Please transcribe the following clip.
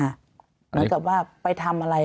เหมือนกับว่าไปทำอะไร